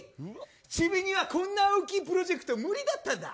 チビにはこんな大きいプロジェクト無理だったんだ。